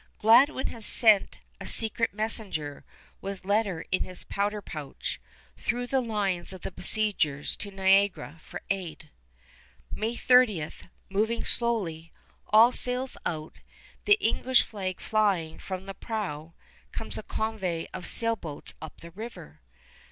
Gladwin has sent a secret messenger, with letter in his powder pouch, through the lines of the besiegers to Niagara for aid. May 30, moving slowly, all sails out, the English flag flying from the prow, comes a convoy of sailboats up the river.